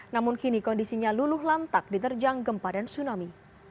namun kini kondisinya luluh lantak diterjang gempa dan tsunami